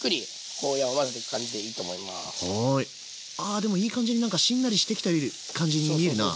あでもいい感じになんかしんなりしてきた感じに見えるな。